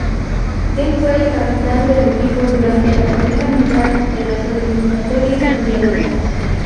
Él fue el capitán del equipo durante la primera mitad de las eliminatorias mundialistas.